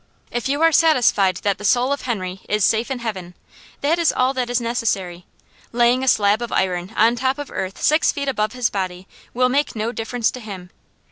If you are satisfied that the soul of Henry is safe in Heaven, that is all that is necessary. Laying a slab of iron on top of earth six feet above his body will make no difference to him.